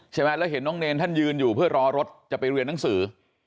แล้วเห็นน้องเนรท่านยืนอยู่เพื่อรอรถจะไปเรียนหนังสือ